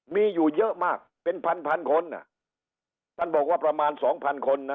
มีอยู่เยอะมากเป็นพันพันคนอ่ะท่านบอกว่าประมาณสองพันคนนะ